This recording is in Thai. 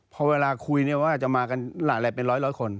พอเวลาคุยเนี่ยว่าจะมากันหลายเป็นร้อยคน